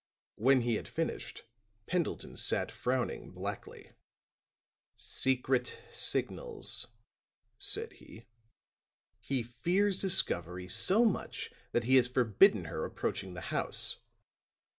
When he had finished, Pendleton sat frowning blackly. "Secret signals," said he. "He fears discovery so much that he has forbidden her approaching the house.